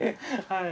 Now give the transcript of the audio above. はい。